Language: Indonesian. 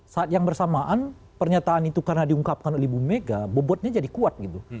saat yang bersamaan pernyataan itu karena diungkapkan oleh ibu mega bobotnya jadi kuat gitu